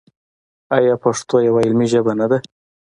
آیا پښتو یوه علمي ژبه نه ده؟